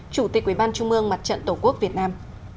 chủ tịch quy bàn trung ương mặt trận tổ quốc việt nam